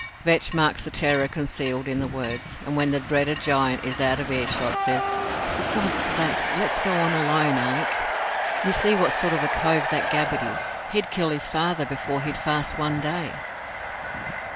Vetch marks the terror concealed in the words, and when the dreaded giant is out of earshot, says, "For God's sake, let's go on alone, Alick. You see what sort of a cove that Gabbett is he'd kill his father before he'd fast one day."